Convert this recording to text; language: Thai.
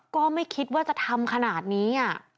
ก็ไม่คิดว่าจะทำขนาดนี้